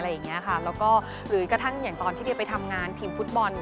แล้วก็หรือกระทั่งอย่างตอนที่เดียไปทำงานทีมฟุตบอล